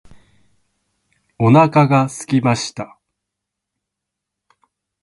お腹が空きました。